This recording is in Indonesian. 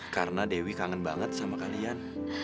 karena dewi kangen banget sama kalian